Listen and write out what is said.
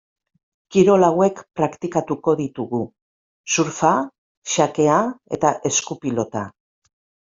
Kirol hauek praktikatuko ditugu: surfa, xakea eta eskupilota.